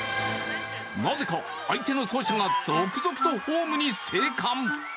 なぜか相手の走者が続々とホームに生還。